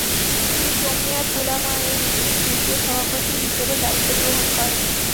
তিনি জমিয়ত উলামায়ে হিন্দের দ্বিতীয় সভাপতি হিসেবে দায়িত্ব গ্রহণ করেন।